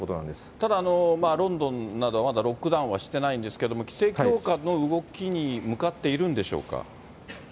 ただ、ロンドンなどはまだロックダウンはしていないんですけれども、規制強化の動きに向かっているんでしょうか。